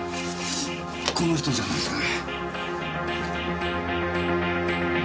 この人じゃないですかね？